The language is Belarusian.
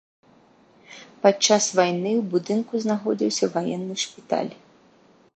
Падчас вайны ў будынку знаходзіўся ваенны шпіталь.